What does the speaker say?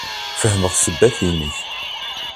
Fehmeɣ ssebbat-inek.